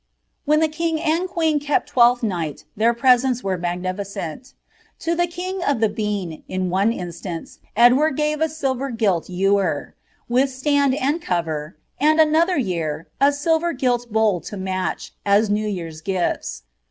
When the king and queen kept Twelfth night, their presents were magnificent : to the king of the Bean, in one instance, Edward gave a silver gilt ewer, with stand and cover, and anotlier year, a silver gilt bowl to match, as new yearns gifls.